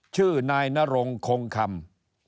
ชื่อนายนรงคงคำ